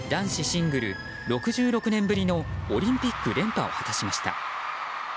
シングル６６年ぶりのオリンピック連覇を果たしました。